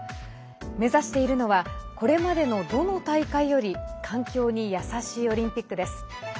目指しているのはこれまでのどの大会より環境に優しいオリンピックです。